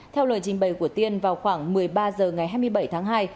theo lời trình bày của tiên vào khoảng một mươi ba h ngày hai mươi bảy tháng hai